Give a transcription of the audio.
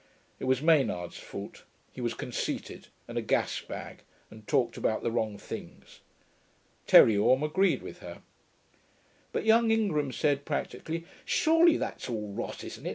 It was Maynard's fault; he was conceited, and a gasbag, and talked about the wrong things. Terry Orme agreed with her. But young Ingram said, practically, 'Surely that's all rot, isn't it?